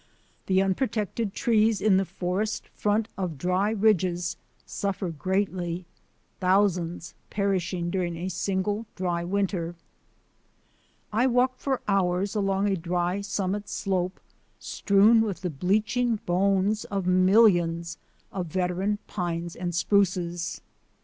The unpro tected trees in the forest front of dry ridges suffer greatly, thousands perishing during a single dry winter. I walked for hours along a dry summit slope strewn with the bleaching bones of millions of veteran pines and spruces.